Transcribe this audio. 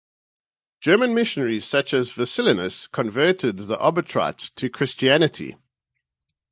German missionaries such as Vicelinus converted the Obotrites to Christianity.